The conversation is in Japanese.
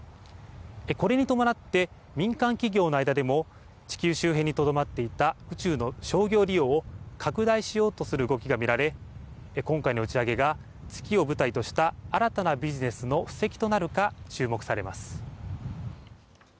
これに伴って民間企業の間でも地球周辺にとどまっていた宇宙の商業利用を拡大しようとする動きが見られ今回の打ち上げが月を舞台とした新たなビジネスの布石となるか注目されます。